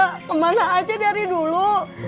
kemana aja dari dulu